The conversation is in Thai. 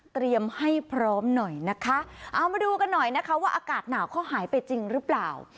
เตรียมให้พร้อมหน่อยนะคะเอามาดูกันหน่อยนะคะว่าอากาศหนาวเขาหายไปจริงหรือเปล่า